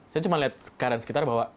saya cuma lihat ke arah sekitar bahwa